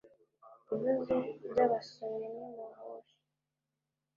Ibibazo by abasomyi Ni mu buhe